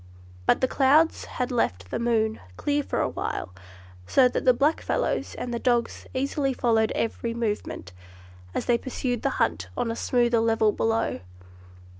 But the clouds had left the moon clear for a while, so that the black fellows and dogs easily followed every movement, as they pursued the hunt on a smoother level below.